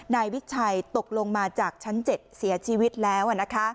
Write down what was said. นายวิชัยตกลงมาจากชั้น๗เสียชีวิตแล้ว